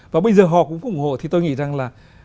và bây giờ họ cũng ủng hộ thì tôi nghĩ rằng là